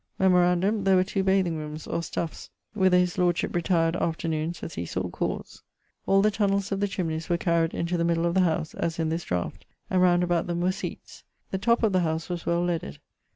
Memorandum: there were two bathing roomes or stuffes, whither his Lordship retired afternoons as he sawe cause. All the tunnells of the chimneys were carried into the middle of the howse, as in this draught; and round about them were seates. The top of the howse was well leaded.